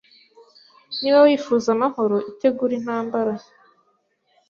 Niba wifuza amahoro, itegure intambara.